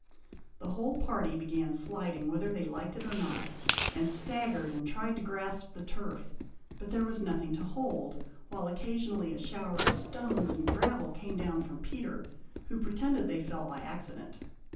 The whole party began sliding whether they liked it or not, and staggered and tried to grasp the turf, but there was nothing to hold, while occasionally a shower of stones and gravel came down from Peter, who pretended they fell by accident.